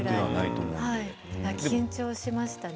緊張しましたね。